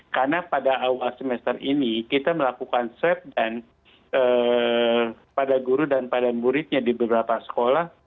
karena pada awal semester ini kita melakukan swab pada guru dan pada muridnya di beberapa sekolah